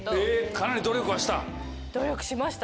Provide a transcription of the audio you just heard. かなり努力はした？